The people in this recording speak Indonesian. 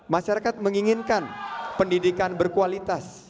masyarakat menginginkan pendidikan berkualitas